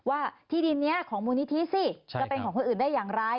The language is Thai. ว่าที่ดินนี้ของมูลนิธิสิจะเป็นของคนอื่นได้อย่างไร